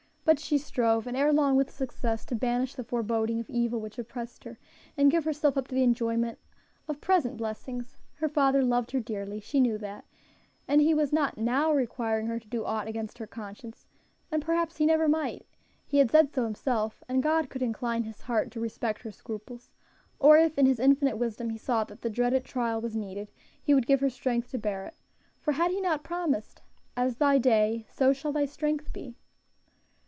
But she strove, and ere long with success, to banish the foreboding of evil which oppressed her, and give herself up to the enjoyment of present blessings. Her father loved her dearly she knew that and he was not now requiring her to do aught against her conscience, and perhaps he never might; he had said so himself, and God could incline his heart to respect her scruples; or if, in His infinite wisdom, He saw that the dreaded trial was needed, He would give her strength to bear it; for had He not promised, "As thy day, so shall thy strength be"?